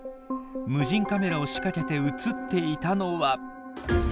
無人カメラを仕掛けて写っていたのは。